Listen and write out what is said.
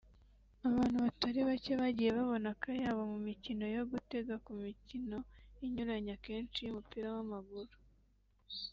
abantu batari bacye bagiye babona akayabo mu mikino yo gutega ku mikino inyuranye akenshi y’umupira w’amaguru